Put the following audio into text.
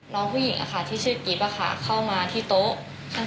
เธอของกลุ่มผู้ชายนี้ก็คือ